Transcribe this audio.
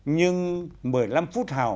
nhưng một mươi năm phút hào